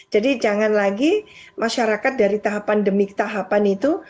jadi jangan lagi masyarakat dari tahapan demi tahapan itu